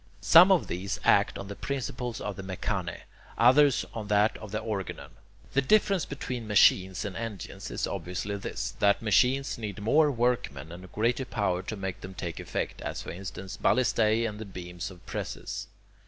Some of these act on the principle of the [Greek: mechane], others on that of the [Greek: organon]. The difference between "machines" and "engines" is obviously this, that machines need more workmen and greater power to make them take effect, as for instance ballistae and the beams of presses.